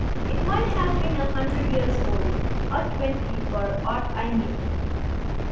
It might have been a hundred years old, or twenty, for aught I knew.